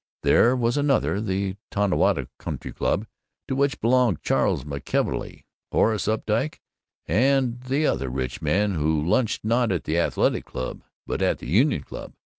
There was another, the Tonawanda Country Club, to which belonged Charles McKelvey, Horace Updike, and the other rich men who lunched not at the Athletic but at the Union Club.